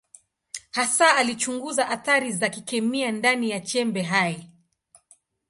Hasa alichunguza athari za kikemia ndani ya chembe hai.